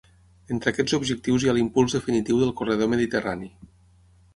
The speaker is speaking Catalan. Entre aquests objectius hi ha l’impuls definitiu del corredor mediterrani.